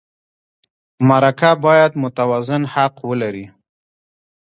مرکه باید متوازن حق ولري.